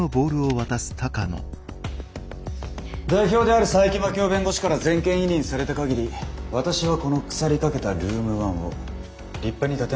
代表である佐伯真樹夫弁護士から全権委任された限り私はこの腐りかけたルーム１を立派に立て直してみせます。